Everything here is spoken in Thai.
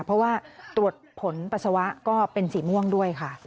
เพราะว่าตรวจผลปัสสาวะก็เป็นสีม่วงด้วยค่ะ